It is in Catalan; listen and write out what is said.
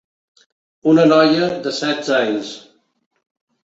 Una noia de setze anys.